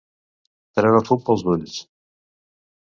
Treure fum pels ulls.